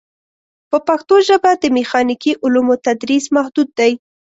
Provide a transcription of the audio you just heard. په پښتو ژبه د میخانیکي علومو تدریس محدود دی.